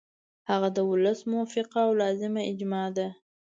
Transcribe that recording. هغه د ولس موافقه او لازمه اجماع ده.